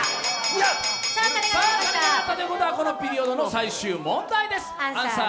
鐘が鳴ったということはこのピリオドの最終問題です。